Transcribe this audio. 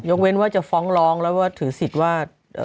เว้นว่าจะฟ้องร้องแล้วว่าถือสิทธิ์ว่า